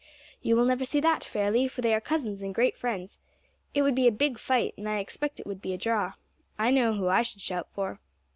"You will never see that, Fairlie, for they are cousins and great friends. It would be a big fight, and I expect it would be a draw. I know who I should shout for."